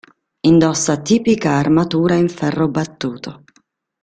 Indossa tipica armatura in ferro battuto.